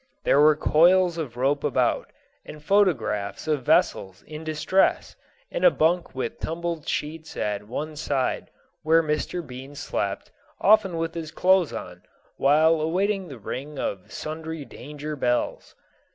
There were coils of rope about, and photographs of vessels in distress, and a bunk with tumbled sheets at one side, where Mr. Bean slept, often with his clothes on, while awaiting the ring of sundry danger bells.